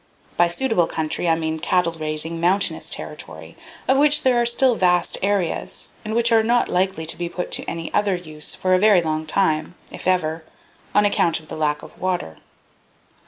By suitable country I mean cattle raising, mountainous territory, of which there are still vast areas, and which are not likely to be put to any other use for a very long time, if ever, on account of the lack of water.